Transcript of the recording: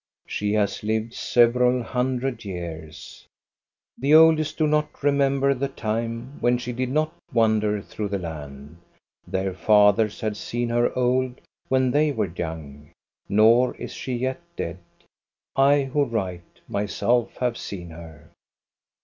She has lived several hundred years. The oldest do not remember the time when she did THE WITCH OF DOVRE 299 not wander through the land. Their fathers had seen her old when they were young. Nor is she yet dead. I who write, myself have seen her.